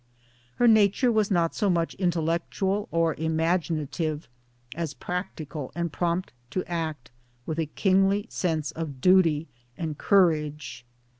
Her nature was not so much intellectual or imagin ative as practical and prompt to act, with a kingly sense of duty and courage.